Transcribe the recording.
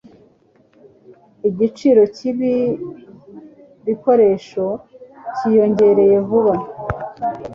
Igiciro cyibi bikoresho cyiyongereye vuba.